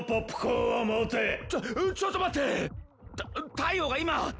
太陽が今ッ！